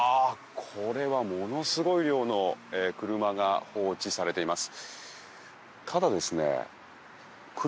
これはものすごい量の車が放置されています。